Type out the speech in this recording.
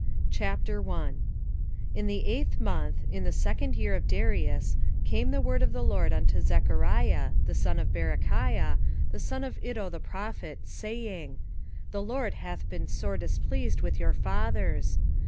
Zechariah 1:1 In the eighth month, in the second year of Darius, came the word of the LORD unto Zechariah, the son of Berechiah, the son of Iddo the prophet, saying, 1:2 The LORD hath been sore displeased with your fathers.